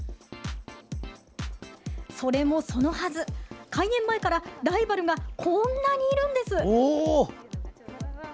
それもそのはず、開園前からライバルがこんなにいるんです。